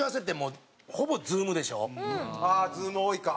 うん！ああＺｏｏｍ多いか。